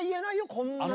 こんなに。